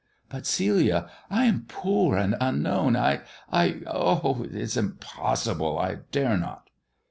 "But, Celia, I am poor and unknown. I — I Oh, it is impossible ; I dare not."